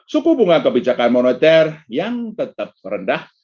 suku bunga kebijakan moneter yang tetap rendah